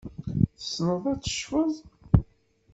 Tessneḍ ad tecfeḍ?